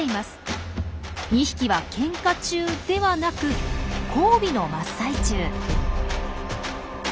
２匹はケンカ中ではなく交尾の真っ最中。